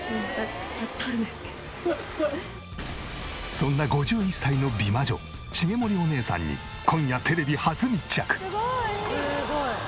そんな５１歳の美魔女茂森おねえさんに今夜テレビ初密着！